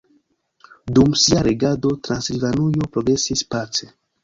Dum sia regado Transilvanujo progresis pace.